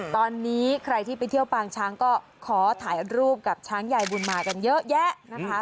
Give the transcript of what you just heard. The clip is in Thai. ตอนนี้ใครที่ไปเที่ยวปางช้างก็ขอถ่ายรูปกับช้างยายบุญมากันเยอะแยะนะคะ